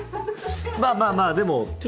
まあまあまあでも。